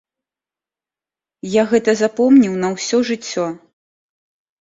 Я гэта запомніў на ўсё жыццё.